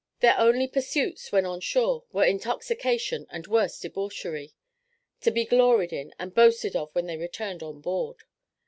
Their only pursuits when on shore were intoxication and worse debauchery, to be gloried in and boasted of when they returned on board.